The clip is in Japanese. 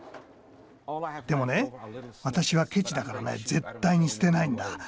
でもね私はケチだから絶対に捨てないんだ。